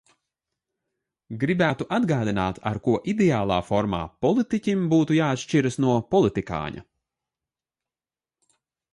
Gribētu atgādināt, ar ko ideālā formā politiķim būtu jāatšķiras no politikāņa.